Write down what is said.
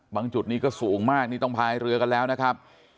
จุดนี้ก็สูงมากนี่ต้องพายเรือกันแล้วนะครับ